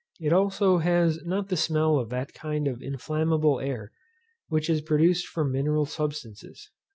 It also has not the smell of that kind of inflammable air which is produced from mineral substances.